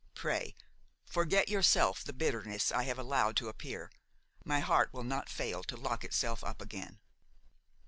Pray, forget yourself the bitterness I have allowed to appear! my heart will not fail to lock itself up again."